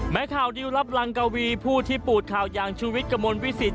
ข่าวดิวรับรังกวีผู้ที่ปูดข่าวอย่างชูวิทย์กระมวลวิสิต